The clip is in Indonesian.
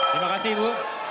terima kasih ibu